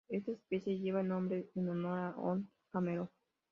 Esta especie lleva el nombre en honor a H. Don Cameron.